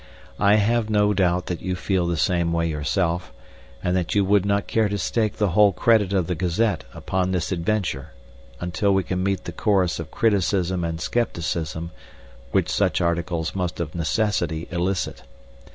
I have no doubt that you feel the same way yourself, and that you would not care to stake the whole credit of the Gazette upon this adventure until we can meet the chorus of criticism and scepticism which such articles must of necessity elicit.